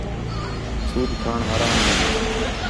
سُود کھاݨ حرام ہے